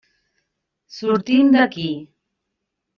Sortim d'aquí.